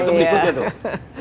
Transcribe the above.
itu berikutnya tuh